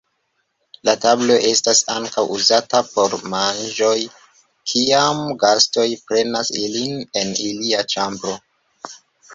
La tablo estas ankaŭ uzata por manĝoj kiam gastoj prenas ilin en ilia ĉambro.